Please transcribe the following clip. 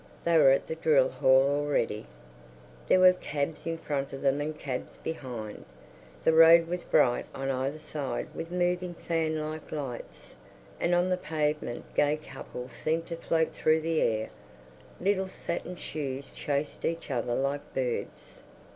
They were at the drill hall already; there were cabs in front of them and cabs behind. The road was bright on either side with moving fan like lights, and on the pavement gay couples seemed to float through the air; little satin shoes chased each other like birds.